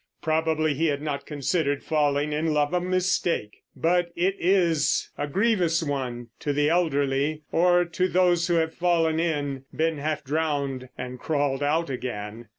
Probably he had not considered falling in love a mistake. But it is—a grievous one, to the elderly, or to those who have fallen in, been half drowned, and crawled out again.